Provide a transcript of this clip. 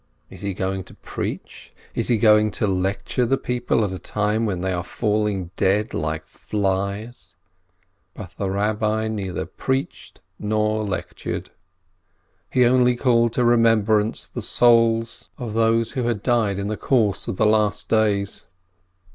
Is he going to preach ? Is he going to lecture the people at a time when they are falling dead like flies ? But the Rabbi neither preached nor lectured. He only called to remembrance the souls 273 FRISCHMANN of those who had died in the course of the last few days.